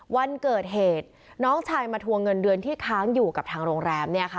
วันเกิดเหตุน้องชายมาทวงเงินเดือนที่ค้างอยู่กับทางโรงแรมเนี่ยค่ะ